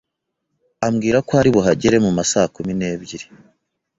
ambwira ko ari buhagere mu masakumi nebyiri.